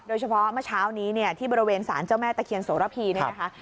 โดยเฉพาะเมื่อเช้านี้เนี่ยที่บริเวณสารเจ้าแม่ตะเคียนโสระพีเนี่ยนะคะ